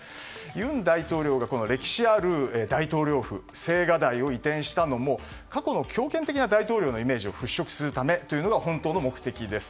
尹大統領が歴史ある大統領府青瓦台を移転したのも過去の強権的な大統領のイメージを払拭するためというのが本当の目的です。